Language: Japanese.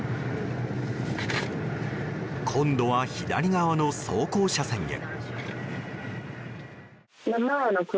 今度は、左側の走行車線へ。